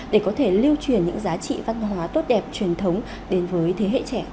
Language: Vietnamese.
để có thể lưu truyền những giá trị văn hóa tốt đẹp truyền thống đến với thế hệ trẻ